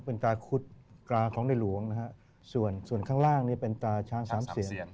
เป็นตาคุดตาของในหลวงนะฮะส่วนส่วนข้างล่างนี่เป็นตาช้างสามเสียน